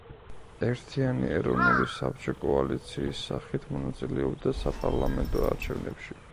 ერთიანი ეროვნული საბჭო კოალიციის სახით მონაწილეობდა საპარლამენტო არჩევნებში.